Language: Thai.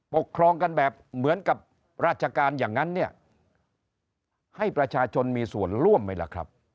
ปกครองกันแบบเหมือนกับราชการอย่างนั้นเนี่ยให้ประชาชนมีส่วนร่วมไหมล่ะครับ